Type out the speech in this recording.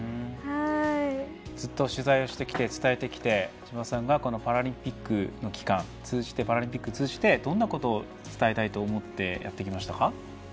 ずっと取材をしてきて伝えてきて千葉さんがパラリンピックを通じてどんなことを伝えたいと思ってやってきましたか。